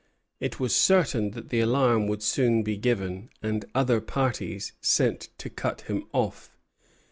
It was certain that the alarm would soon be given, and other parties sent to cut him off.